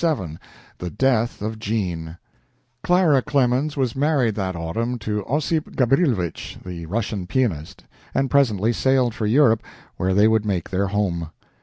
LXVII THE DEATH OF JEAN Clara Clemens was married that autumn to Ossip Gabrilowitsch, the Russian pianist, and presently sailed for Europe, where they would make their home.